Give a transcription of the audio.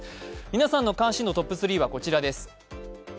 皆さんの関心度トップ３はこちらです。